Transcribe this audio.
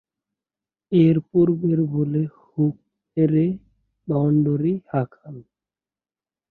এর পূর্বের বলে হুক মেরে বাউন্ডারি হাঁকান।